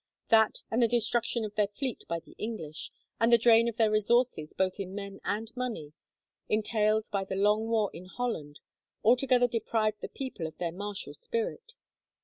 That and the destruction of their fleet by the English, and the drain of their resources both in men and money, entailed by the long war in Holland, altogether deprived the people of their martial spirit.